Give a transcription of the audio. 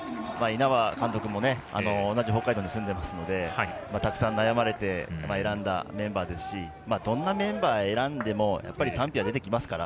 稲葉監督も同じ北海道に住んでますのでたくさん悩まれて選んだメンバーですしどんなメンバーを選んでも賛否は出てきますから。